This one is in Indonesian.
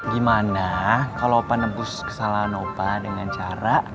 gimana kalo opa nebus kesalahan opa dengan cara